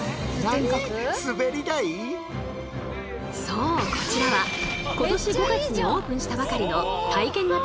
そうこちらは今年５月にオープンしたばかりの体験型